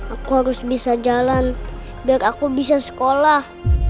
aku harus bisa jalan biar aku bisa sekolah